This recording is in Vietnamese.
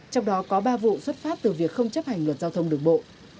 trong đó có ba vụ xuất phát từ việc không chấp hành luật giao thông đường bộ